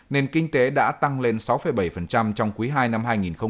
nền kinh tế đã tăng lên sáu bảy trong quý ii năm hai nghìn một mươi chín